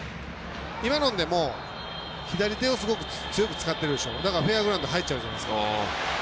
今のでもう左手を強く使ってるのでフェアグラウンド入っちゃうじゃないですか。